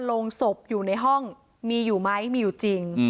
โรงศพอยู่ในห้องมีอยู่ไหมมีอยู่จริง